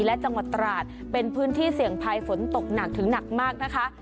และจังหวัดตราดเป็นพื้นที่เสี่ยงภัยฝนตกหนักถึงหนักมากนะคะ